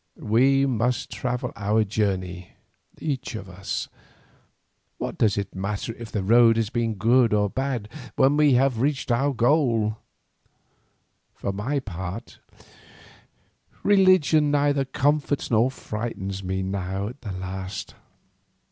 We must travel our journey each of us; what does it matter if the road has been good or bad when we have reached the goal? For my part religion neither comforts nor frightens me now at the last.